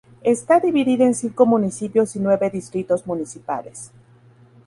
Está dividida en cinco municipios y nueve distritos municipales.